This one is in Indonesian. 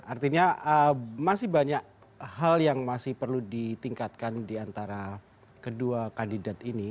artinya masih banyak hal yang masih perlu ditingkatkan diantara kedua kandidat ini